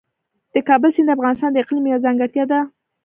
د کابل سیند د افغانستان د اقلیم یوه ځانګړتیا ده.